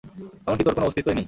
এমনকি তোর কোনো অস্তিত্বই নেই।